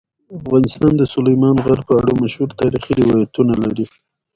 افغانستان د سلیمان غر په اړه مشهور تاریخی روایتونه لري.